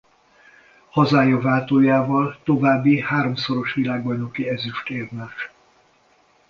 Hazája váltójával további háromszoros világbajnoki ezüstérmes.